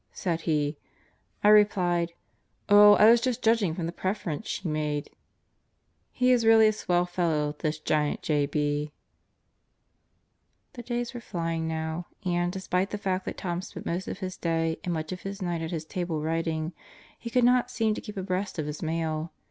said he. I replied: "Oh I was just judging from the preference she made/ 7 He is really a swell fellow, this giant J.B. The days were flying now and, despite the fact that Tom spent most of his day and much of his night at his table writing, he could not seem to keep abreast of his mail.